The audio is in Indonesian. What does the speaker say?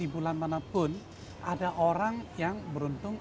bulan mana pun ada orang yang beruntung